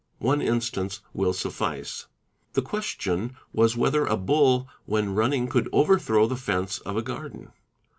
One instance will — suffice. The question was whether a bull when running could overthro the fence of a garden.